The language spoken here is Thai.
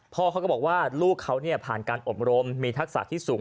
พ่อเขาก็บอกว่าลูกเขาผ่านการอบรมมีทักษะที่สูง